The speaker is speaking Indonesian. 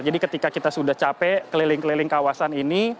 jadi ketika kita sudah capek keliling keliling kawasan ini